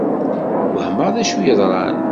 Wehmeɣ d acu yeḍran.